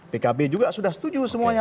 pkb juga sudah setuju semuanya